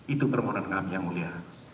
itu permohonan kami yang mulia